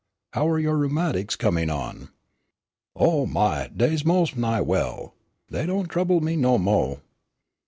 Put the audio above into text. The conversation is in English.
How are your rheumatics coming on?" "Oh, my, dey's mos' nigh well. Dey don' trouble me no mo'!"